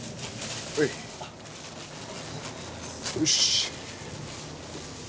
よし。